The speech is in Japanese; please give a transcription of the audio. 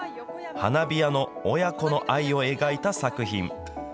花火屋の親子の愛を描いた作品。